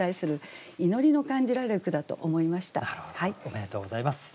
おめでとうございます。